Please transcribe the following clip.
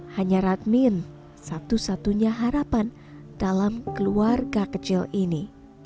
hanya radmin satu satunya harapan dalam keluarga kecil ini